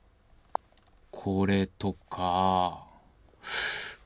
これとかぁ。